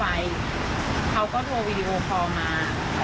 หนูก็เข้าไปเขาก็โทรวีดีโอคอล์มา